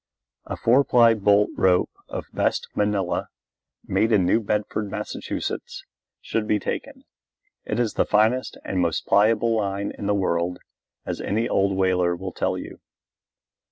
A four ply bolt rope of best manilla, made in New Bedford, Mass., should be taken. It is the finest and most pliable line in the world, as any old whaler will tell you.